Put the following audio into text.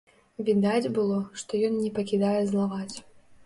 Відаць было, што ён не пакідае злаваць.